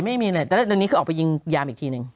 แต่ตอนนี้คือออกไปยิงยามอีกทีนึง